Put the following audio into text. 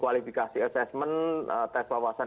kualifikasi asesmen tes wawasan